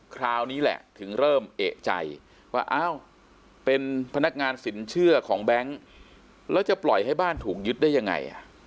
คราวนี้แหละถึงเริ่มเอกใจว่าอ้าวเป็นพนักงานสินเชื่อของแบงค์แล้วจะปล่อยให้บ้านถูกยึดได้ยังไง